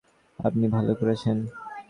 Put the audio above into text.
আপনি ভাল করেছেন।